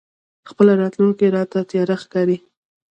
خپله راتلونکې راته تياره ښکاري.